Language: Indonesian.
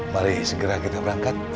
mari segera kita berangkat